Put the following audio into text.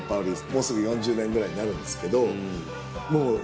もうすぐ４０年ぐらいになるんですけど。